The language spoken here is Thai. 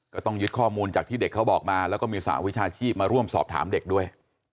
ก็ต้องยึดข้อมูลจากที่เด็กเขาบอกมาแล้วก็มีสหวิชาชีพมาร่วมสอบถามเด็กด้วย